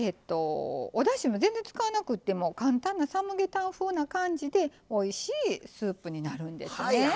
おだしも全然使わなくても簡単なサムゲタン風な感じでおいしいスープになるんですね。